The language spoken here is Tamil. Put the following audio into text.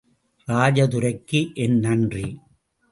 ராஜதுரைக்கு என் நன்றி.